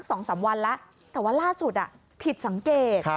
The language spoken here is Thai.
สองสามวันแล้วแต่ว่าล่าสุดอ่ะผิดสังเกต